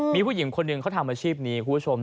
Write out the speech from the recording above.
มีผู้หญิงคนหนึ่งเขาทำอาชีพนี้คุณผู้ชม